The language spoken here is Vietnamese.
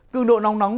cường độ nóng nóng